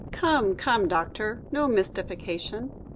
"Come, come, Doctor, no mystification."